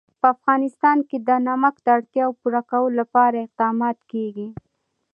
په افغانستان کې د نمک د اړتیاوو پوره کولو لپاره اقدامات کېږي.